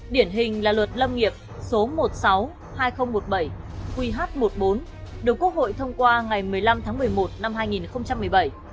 điển hình là luật lâm nghiệp số một mươi sáu hai nghìn một mươi bảy qh một mươi bốn được quốc hội thông qua ngày một mươi năm tháng một mươi một năm hai nghìn một mươi bảy